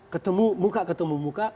ketemu muka ketemu muka